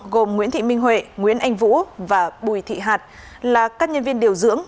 gồm nguyễn thị minh huệ nguyễn anh vũ và bùi thị hạt là các nhân viên điều dưỡng